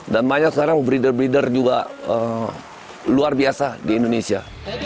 dan banyak sekarang breeder breeder juga luar biasa di indonesia